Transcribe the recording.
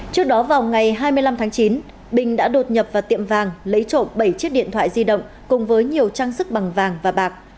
trước đó vào ngày hai mươi năm tháng chín bình đã đột nhập vào tiệm vàng lấy trộm bảy chiếc điện thoại di động cùng với nhiều trang sức bằng vàng và bạc